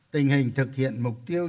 tình hình thực hiện mục tiêu